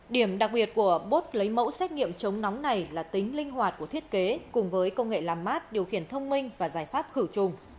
điểm đặc biệt của bốt lấy mẫu xét nghiệm chống nóng này là tính linh hoạt của thiết kế cùng với công nghệ làm mát điều khiển thông minh và giải pháp khử trùng